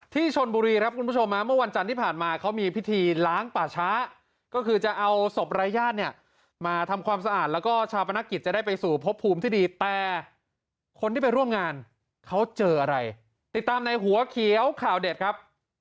ชนบุรีครับคุณผู้ชมเมื่อวันจันทร์ที่ผ่านมาเขามีพิธีล้างป่าช้าก็คือจะเอาศพรายญาติเนี่ยมาทำความสะอาดแล้วก็ชาปนกิจจะได้ไปสู่พบภูมิที่ดีแต่คนที่ไปร่วมงานเขาเจออะไรติดตามในหัวเขียวข่าวเด็ดครับ